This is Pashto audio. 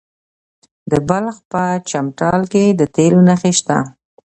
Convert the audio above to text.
د بلخ په چمتال کې د تیلو نښې شته.